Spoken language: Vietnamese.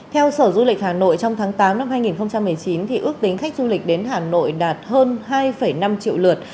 theo sở du lịch hà nội trong tháng tám năm hai nghìn một mươi chín ước tính khách du lịch đến hà nội đạt hơn hai năm triệu lượt